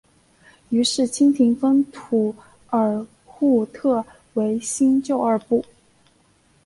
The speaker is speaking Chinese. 于是清廷分土尔扈特为新旧二部。